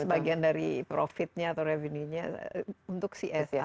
sebagian dari profitnya atau revenue nya untuk si sr